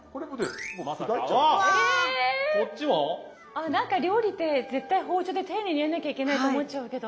あ何か料理って絶対包丁で丁寧にやんなきゃいけないと思っちゃうけど。